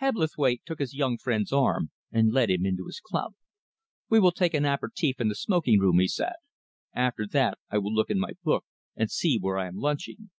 Hebblethwaite took his young friend's arm and led him into his club. "We will take an apéritif in the smoking room," he said. "After that I will look in my book and see where I am lunching.